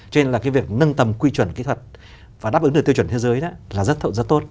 cho nên là cái việc nâng tầm quy chuẩn kỹ thuật và đáp ứng được tiêu chuẩn thế giới đó là rất tốt